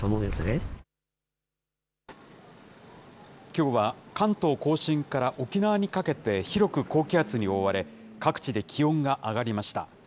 きょうは関東甲信から沖縄にかけて広く高気圧に覆われ、各地で気温が上がりました。